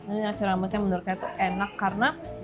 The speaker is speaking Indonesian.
ini nasi ramesnya menurut saya enak karena